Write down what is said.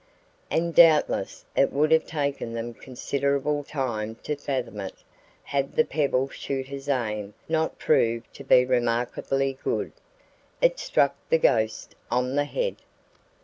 And doubtless it would have taken them considerable time to fathom it had the pebble shooter's aim not proved to be remarkably good. It struck the "ghost" on the head.